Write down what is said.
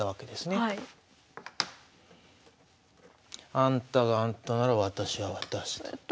あんたがあんたなら私は私と。